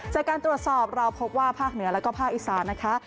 จากการตรวจสอบเราพบว่าภาคเหนือแล้วก็ภาคอีสานนะคะ